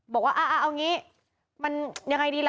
บอกว่าเอางี้มันยังไงดีล่ะ